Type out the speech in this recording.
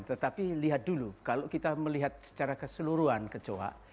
tetapi lihat dulu kalau kita melihat secara keseluruhan kecohak